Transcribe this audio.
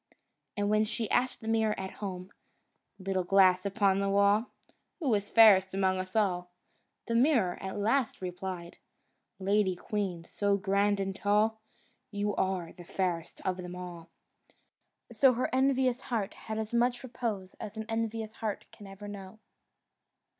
And when she asked the mirror at home, "Little glass upon the wall, Who is fairest among us all?" the mirror at last replied, "Lady queen, so grand and tall, You are the fairest of them all." So her envious heart had as much repose as an envious heart can ever know.